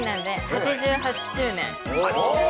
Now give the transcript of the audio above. ８８周年。